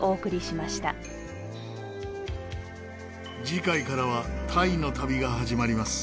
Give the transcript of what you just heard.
次回からはタイの旅が始まります。